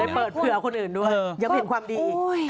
เปิดเผื่อคนอื่นด้วยยังไม่เห็นความดีอีก